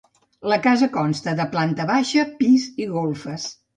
La casa consta de planta baixa, pis i golfes.